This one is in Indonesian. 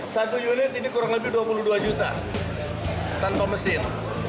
satu unit ini kurang lebih dua puluh dua juta tanpa mesin